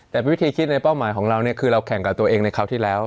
แต่วิธีคิดในเป้าหมายของเราเนี่ยคือเราแข่งกับตัวเองในคราวที่แล้ว